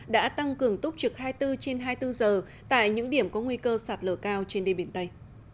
đã tăng cường túc trực hai mươi bốn trên hai mươi bốn giờ tại những điểm có nguy cơ sạt lở cao trên đê biển tây